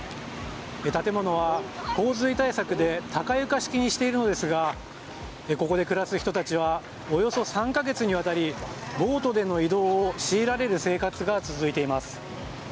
建物は洪水対策で高床式にしているのですがここで暮らす人たちはおよそ３か月にわたりボートでの移動を強いられる生活が続いています。